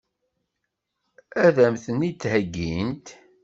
Ad m-tent-id-heggint?